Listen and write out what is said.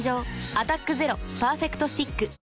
「アタックＺＥＲＯパーフェクトスティック」